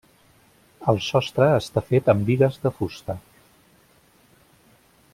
El sostre està fet amb bigues de fusta.